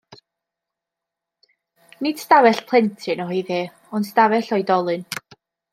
Nid stafell plentyn oedd hi ond stafell oedolyn.